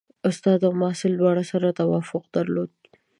استاد او محصل دواړو سره توافق درلود.